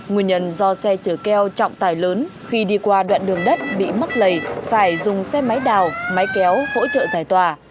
nguyên nhân do xe chở keo trọng tài lớn khi đi qua đoạn đường đất bị mắc lầy phải dùng xe máy đào máy kéo hỗ trợ giải tỏa